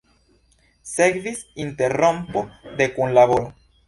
Sekvis interrompo de kunlaboro.